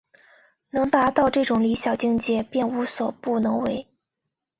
能达到这种理想境界便无所不能为。